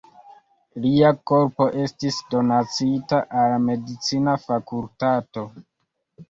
Lia korpo estis donacita al medicina fakultato.